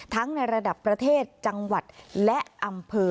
ในระดับประเทศจังหวัดและอำเภอ